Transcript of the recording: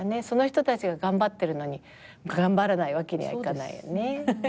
その人たちが頑張ってるのに頑張らないわけにはいかないよね。